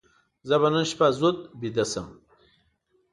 زه به نن شپه زود ویده شم.